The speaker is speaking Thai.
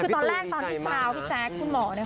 คือตอนแรกตอนที่ซาวพี่แจ๊คคุณหมอเนี่ย